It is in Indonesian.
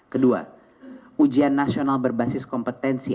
kedua ujian nasional berbasis kompetensi